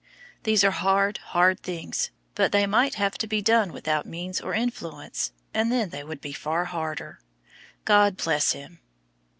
These are hard, hard things, but they might have to be done without means or influence, and then they would be far harder. God bless him!"